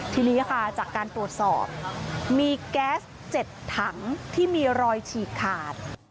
ทีนี้ค่ะจากการตรวจสอบมีแก๊ส๗ถังที่มีรอยฉีกขาด